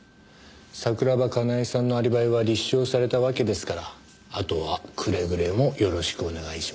桜庭かなえさんのアリバイは立証されたわけですからあとはくれぐれもよろしくお願いしますよ。